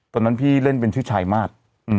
ตอนนั้นพี่เล่นเป็นชื่อชายมาส